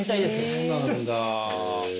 そうなんだ。